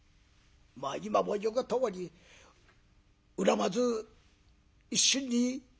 まあ今も言うとおり恨まず一心に修業したそうだ」。